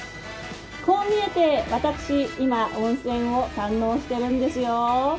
こう見えて私、今温泉を堪能しているんですよ。